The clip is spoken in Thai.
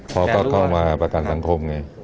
เขาก็เข้ามาประกันสังคมไง